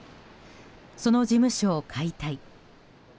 その事務所を解体。